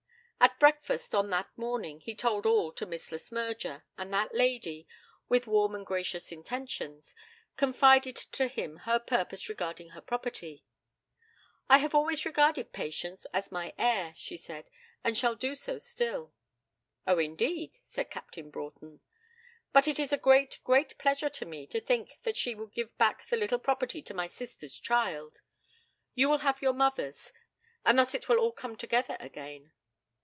At breakfast on that morning he told all to Miss Le Smyrger, and that lady, with warm and gracious intentions, confided to him her purpose regarding her property. 'I have always regarded Patience as my heir,' she said, 'and shall do so still.' 'Oh, indeed,' said Captain Broughton. 'But it is a great, great pleasure to me to think that she will give back the little property to my sister's child. You will have your mother's, and thus it will all come together again.'